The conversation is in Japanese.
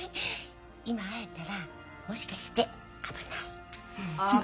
今会えたらもしかして危ない。